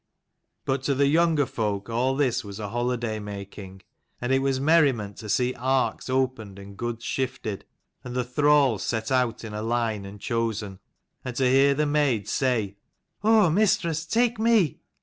But to the younger folk all this was a holiday making, and it was merriment to see arks opened and goods shifted, and the thralls set out in a line and chosen: and to hear the maids say "Oh mistress, take me!"